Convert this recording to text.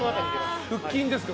腹筋ですか？